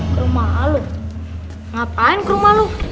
kerumah lo ngapain kerumah lo